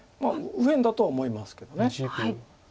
右辺だとは思いますけど。